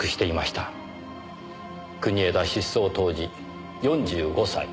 国枝は失踪当時４５歳。